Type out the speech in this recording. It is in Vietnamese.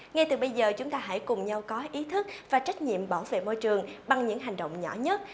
ngay từ bây giờ chúng ta hãy cùng nhau có ý thức và trách nhiệm bảo vệ môi trường bằng những hành động nhỏ nhất